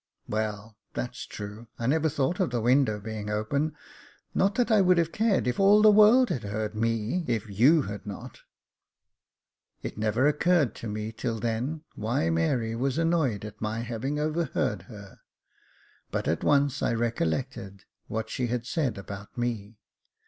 "Well, that's true, I never thought of the window being open ; not that I would have cared if all the world had heard me, if you had not." It never occurred to me till then, why Mary was annoyed at my having overheard her, but at once I recollected what she had said about me.